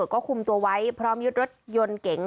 ก็คุมตัวไว้พร้อมยึดรถยนต์เก๋ง